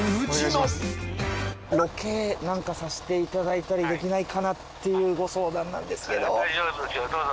ロケなんかさせていただいたりできないかなっていうご相談なんですけど。